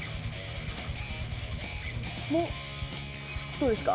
どうですか？